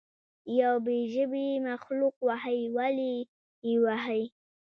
یو بې ژبې مخلوق وهئ ولې یې وهئ.